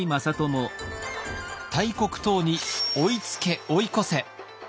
大国唐に追いつけ追い越せ。